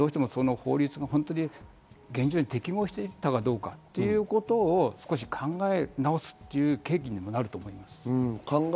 今回はどうしても法律が現状に適合していたかどうかということを少し考え直すっていう契機にもなると思います。